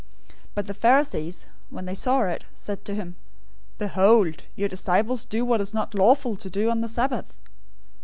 012:002 But the Pharisees, when they saw it, said to him, "Behold, your disciples do what is not lawful to do on the Sabbath."